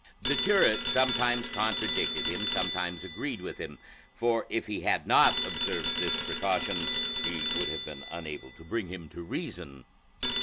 The curate sometimes contradicted him, sometimes agreed with him, for if he had not observed this precaution he would have been unable to bring him to reason.